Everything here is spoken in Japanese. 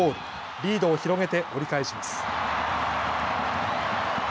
リードを広げて折り返します。